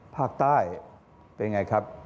ภาคใต้เป็นไงครับ